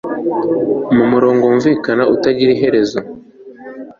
Mu mirongo yumvikana itagira iherezo